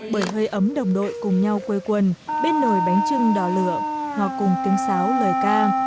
bởi hơi ấm đồng đội cùng nhau quê quần bên nồi bánh trưng đỏ lửa hòa cùng tiếng sáo lời ca